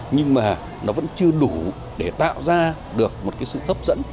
nhưng mà nó vẫn chưa đủ để tạo ra được một sự thấp dẫn